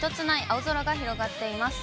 青空が広がっています。